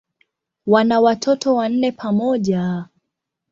Wana watoto wanne pamoja.